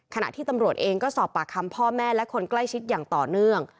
ขณะที่ตำรวจเองก็สอบปากคำพ่อแม่และคนใกล้ชิดอย่างต่อเนื่อง